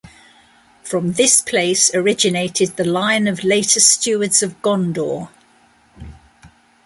From this place originated the line of later Stewards of Gondor.